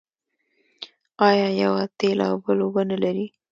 آیا یوه تېل او بل اوبه نلري؟